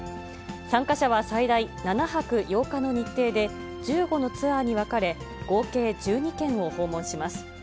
参加者は最大７泊８日の日程で、１５のツアーに分かれ、合計１２県を訪問します。